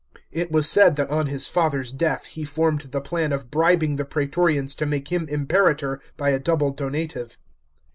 It was said that on his father's death he formed the plan of bribing the praetorians to make him Imperator by a double donative.